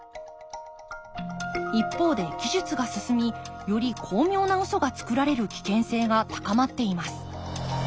一方で技術が進みより巧妙なウソがつくられる危険性が高まっています。